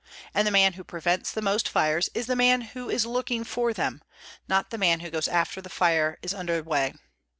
And the man who prevents the most fires is the man who is looking for them, not the man who goes after the fire is under way.